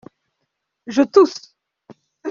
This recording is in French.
Je tousse.